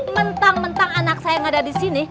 mentang mentang anak saya yang ada di sini